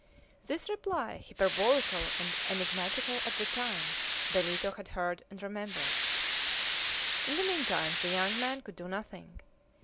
This reply, hyperbolical and enigmatical at the time, Benito had heard and remembered. In the meantime the young men could do nothing.